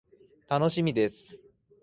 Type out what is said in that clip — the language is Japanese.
楽しみです。